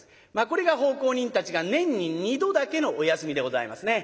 これが奉公人たちが年に２度だけのお休みでございますね。